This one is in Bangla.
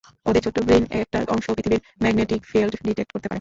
ওদের ছোট্ট ব্রেইনের একটা অংশ পৃথিবীর ম্যাগনেটিক ফিল্ড ডিটেক্ট করতে পারে।